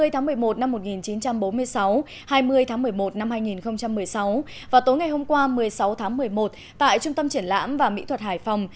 hai mươi tháng một mươi một năm một nghìn chín trăm bốn mươi sáu hai mươi tháng một mươi một năm hai nghìn một mươi sáu và tối ngày hôm qua một mươi sáu tháng một mươi một tại trung tâm triển lãm và mỹ thuật hải phòng